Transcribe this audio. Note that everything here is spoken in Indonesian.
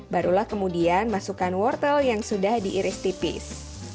barulah kemudian masukkan wortel yang sudah diiris tipis